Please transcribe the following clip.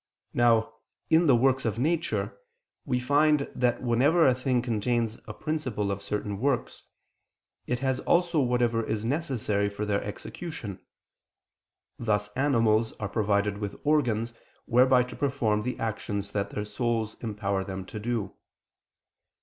Now, in the works of nature, we find that whenever a thing contains a principle of certain works, it has also whatever is necessary for their execution: thus animals are provided with organs whereby to perform the actions that their souls empower them to do.